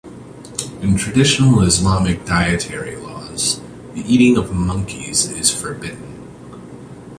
In traditional Islamic dietary laws, the eating of monkeys is forbidden.